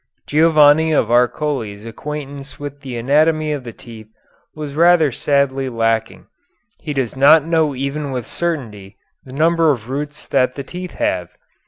Giovanni of Arcoli's acquaintance with the anatomy of the teeth was rather sadly lacking. He does not know even with certainty the number of roots that the teeth have.